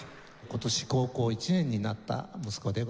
今年高校１年になった息子でございます。